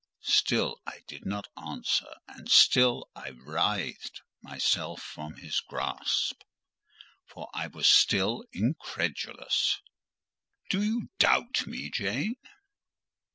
Still I did not answer, and still I writhed myself from his grasp: for I was still incredulous. "Do you doubt me, Jane?"